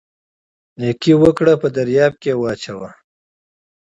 نیکي وکړئ په دریاب یې واچوئ